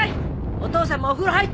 お父さんもお風呂入っちゃって。